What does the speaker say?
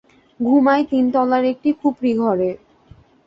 ঘুমাই তিনতলার একটি খুপরি ঘরে।